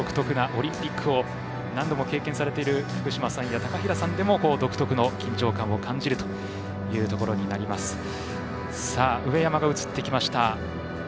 オリンピックを何度も経験している高平さんや福島さんも独特の緊張感を感じるということでした。